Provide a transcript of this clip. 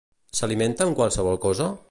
S'alimenta amb qualsevol cosa?